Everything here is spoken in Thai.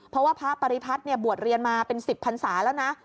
เพราะว่าพระปริพัฒน์บวชเรียนมาเป็น๑๐พันศาแล้วนะ